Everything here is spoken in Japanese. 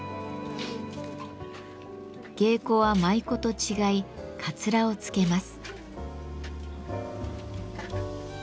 芸妓は舞妓と違いかつらをつけます。